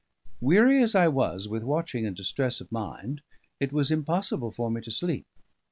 Weary as I was with watching and distress of mind, it was impossible for me to sleep.